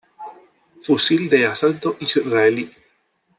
Fusil de asalto israelí.